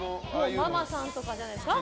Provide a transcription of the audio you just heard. ママさんとかじゃないですか。